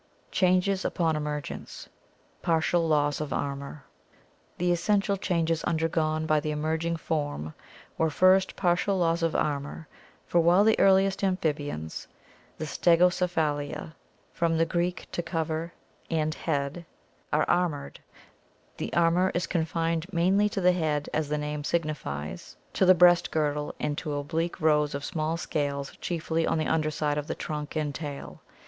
Changes upon Emergence Partial Loss of Armor. — The essential changes undergone by the emerging form were, first, partial loss of armor, for while the earliest amphibians, the Stegocephalia (Gr. orey&v, to cover, and K€<f>a\r}, head) are armored, the armor is confined mainly to the head as the name signifies, to the breast girdle, and to oblique rows of small scales, chiefly on the under side of the trunk and tail.